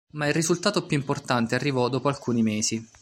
Ma il risultato più importante arrivò dopo alcuni mesi.